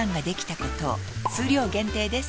数量限定です